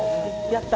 やった？